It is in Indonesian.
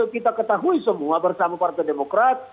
kita ketahui semua bersama partai demokrat